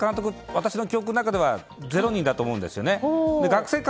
私の記憶の中では０人だと思うんですね。